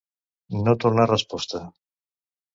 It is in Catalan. No tornar resposta.